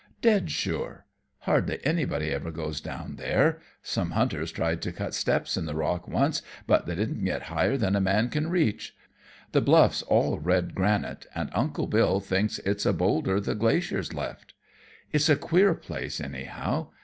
"Dead sure. Hardly anybody ever goes down there. Some hunters tried to cut steps in the rock once, but they didn't get higher than a man can reach. The Bluff's all red granite, and Uncle Bill thinks it's a boulder the glaciers left. It's a queer place, anyhow.